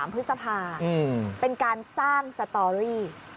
พฤษภาเป็นการสร้างสตอรี่